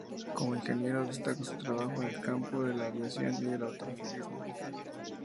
Como ingeniero destaca su trabajo en el campo de la aviación y el automovilismo.